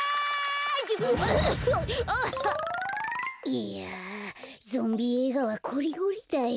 いやゾンビえいがはこりごりだよ。